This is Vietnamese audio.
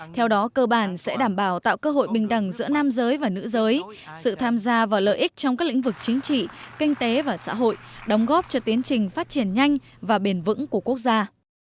theo đó cơ bản sẽ đảm bảo tạo cơ hội bình đẳng giữa nam giới và nữ giới sự tham gia vào lợi ích trong các lĩnh vực chính trị kinh tế và xã hội đóng góp cho tiến trình phát triển nhanh và bền vững của quốc gia